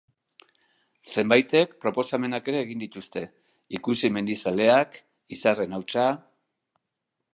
Zenbaitek proposamenak ere egin dituzte: 'Ikusi mendizaleak', 'Izarren hautsa'...